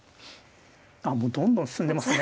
ああもうどんどん進んでますね。